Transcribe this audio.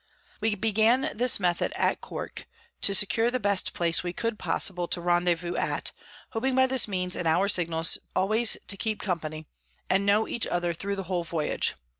We began this Method at Cork, to secure the best place we could possible to rendevouz at; hoping by this means and our Signals always to keep Company, and know each other thro the whole Voyage.